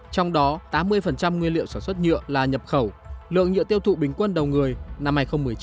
trong đó tám mươi nguyên liệu sản xuất nhựa là nhập khẩu lượng nhựa tiêu thụ bình quân đầu người năm hai nghìn một mươi chín